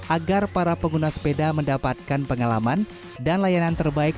agar para pengguna sepeda mendapatkan pengalaman dan layanan terbaik